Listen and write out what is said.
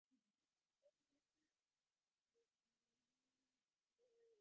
އެހެންނަމަވެސް ޖެނެޓިކް ސްކްރީނިންގ ގެ ގޮތުން ތަޙުލީލު ކުރެވެމުންދަނީ މީގެތެރެއިން މަދު ބައްޔެއް